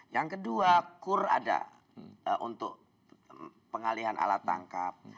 yang kedua kur ada untuk pengalihan alat tangkap